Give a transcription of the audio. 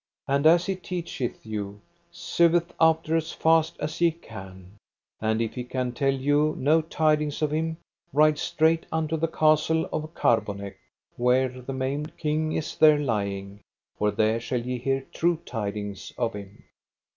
And as he teacheth you, seweth after as fast as ye can; and if he can tell you no tidings of him, ride straight unto the Castle of Carbonek, where the maimed king is there lying, for there shall ye hear true tidings of him.